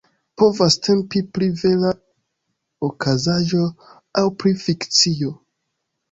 Povas temi pri vera okazaĵo aŭ pri fikcio.